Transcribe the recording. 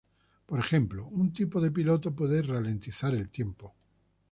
Por ejemplo, un tipo de piloto puede ralentizar el tiempo.